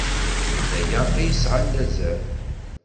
D aya ay yesɛan azal.